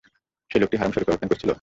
সেই লোকটি হারম শরীফে অবস্থান করছিল।